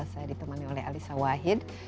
saya ditemani oleh alisa wahid